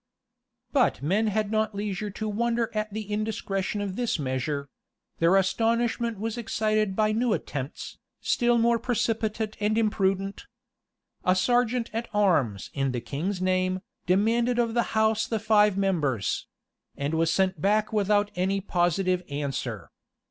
But men had not leisure to wonder at the indiscretion of this measure: their astonishment was excited by new attempts, still more precipitate and imprudent. A serjeant at arms, in the king's name, demanded of the house the five members: and was sent back without any positive answer.